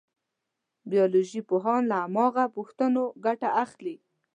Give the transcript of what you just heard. بیولوژي پوهان له هماغه پوښتنپاڼو ګټه اخلي.